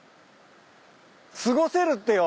「すごせる」ってよ。